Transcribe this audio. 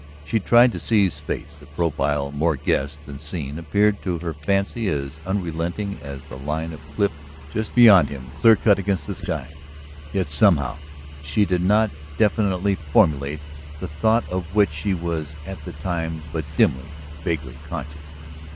She tried to see his face; the profile, more guessed than seen, appeared to her fancy as unrelenting as the line of cliff just beyond him, clear cut against the sky. Yet somehow ... she did not definitely formulate the thought of which she was at the time but dimly, vaguely conscious